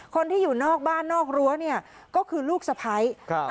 คนที่อยู่นอกบ้านนอกรั้วเนี่ยก็คือลูกสะพ้ายครับ